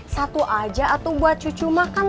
satu saja buat cucu makan